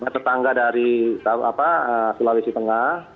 tetangga dari sulawesi tengah